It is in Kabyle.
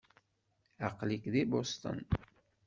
Aql-ik deg Boston.